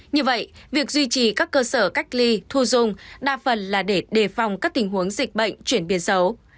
như vậy việc duy trì các cơ sở cách ly thu dung đa phần là để đề phòng các tình huống dịch bệnh chuyển biến xấu